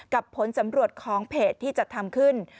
ผลสำรวจของเพจที่จะทำขึ้น